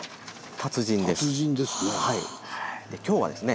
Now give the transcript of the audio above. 達人ですね。